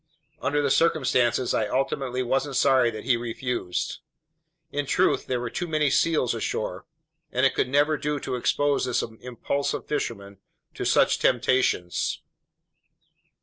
Under the circumstances I ultimately wasn't sorry that he refused. In truth, there were too many seals ashore, and it would never do to expose this impulsive fisherman to such temptations.